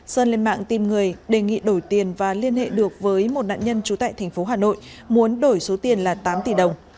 sơn lên mạng tìm người đề nghị đổi tiền và liên hệ được với một nạn nhân trú tại thành phố hà nội muốn đổi số tiền là tám tỷ đồng